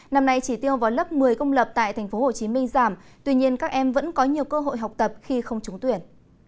năm nay chỉ tiêu vào lớp một mươi công lập tại tp hcm giảm tuy nhiên các em vẫn có nhiều cơ hội học tập khi không trúng tuyển